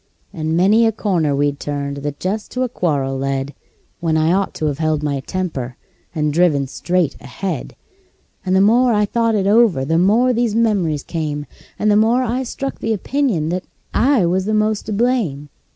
And many a corner we'd turned that just to a quarrel led, When I ought to 've held my temper, and driven straight ahead; And the more I thought it over the more these memories came, And the more I struck the opinion that I was the most to blame.